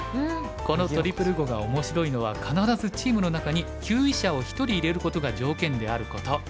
このトリプル碁が面白いのは必ずチームの中に級位者を１人入れることが条件であること。